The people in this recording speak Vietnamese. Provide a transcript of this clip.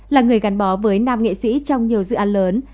là người gắn bó với nam nghệ sĩ trong nhiều dự án lớn